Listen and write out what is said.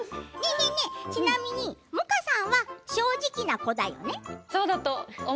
ちなみに萌歌さんは正直な子だよね。